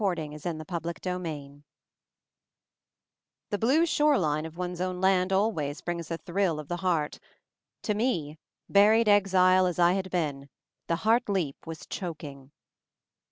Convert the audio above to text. MOVING THE MOUNTAIN 49 CHAPTER III THE blue shore line of one's own land always brings a thrill of the heart; to me, buried exile as I had been, the heart leap was choking.